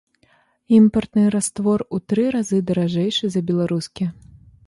Імпартны раствор у тры разы даражэйшы за беларускі.